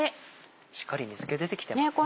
しっかり水気出てきてますね。